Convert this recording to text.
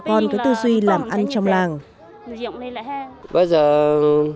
con cái tư duy làm ăn trong làng bây giờ gần tết rồi bà con chỉ có một chút đồ ăn ăn trong làng